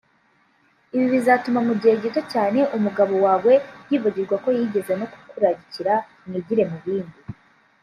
ibi bizatuma mu gihe gito cyane umugabo wawe yibagirwa ko yigeze no kukurakarira mwigire mu bindi